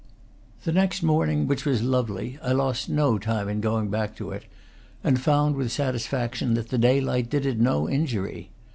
The next morning, which was lovely, I lost no time in going back to it, and found, with satisfaction, that the daylight did it no injury.